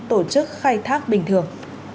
tổ chức khai thác bình thường